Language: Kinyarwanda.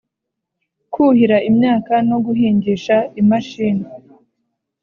Kuhira imyaka no guhingisha imashini